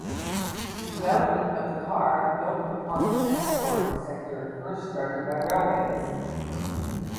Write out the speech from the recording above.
The development of the car built upon the transport sector first started by railways.